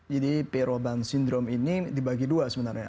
jadi pierre robin syndrome ini dibagi dua sebenarnya